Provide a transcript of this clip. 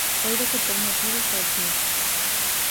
Coido que por motivos obvios.